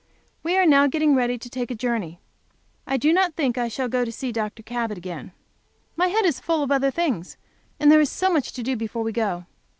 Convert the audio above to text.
We are now getting ready to take a journey. I do not think I shall go to see Dr. Cabot again. My head is so full of other things, and there is so much to do before we go.